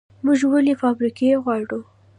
موږ ولې فابریکې غواړو؟